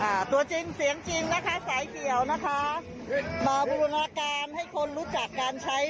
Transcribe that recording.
ตัวจริงเสียงจริงนะคะสายเขียวนะคะมาบูรณาการให้คนรู้จักการใช้